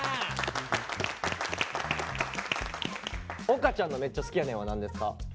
岡ちゃんの「めっちゃ好きやねん！」は何ですか？